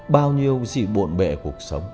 bao nhiêu sự bộn bệ cuộc sống